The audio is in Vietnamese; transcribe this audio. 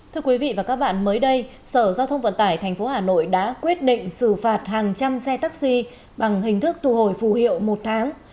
thưa quý vị và các bạn mới đây sở giao thông vận tải tp hà nội đã quyết định xử phạt hàng trăm xe taxi bằng hình thức thu hồi phù hiệu một tháng